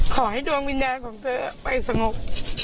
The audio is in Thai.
ขอให้ดวงวิญญาณของเธอไปสงบ